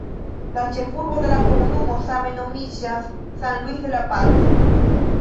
La ĉefurbo de la komunumo same nomiĝas "San Luis de la Paz".